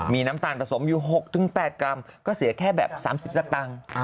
มีน้ำตาลผสมอยู่๖๘กรัมก็เสียแค่แบบ๓๐สตางค์